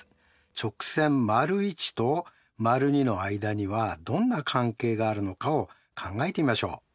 直線①と②の間にはどんな関係があるのかを考えてみましょう。